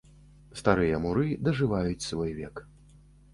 Старыя муры дажываюць свой век.